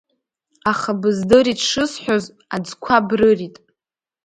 Аха, быздырит шысҳәоз, аӡқәа брырит.